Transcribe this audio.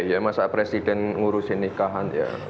ya masa presiden ngurusin nikahan ya